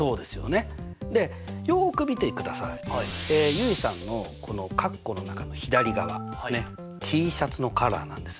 結衣さんのこの括弧の中の左側Ｔシャツのカラーなんですね。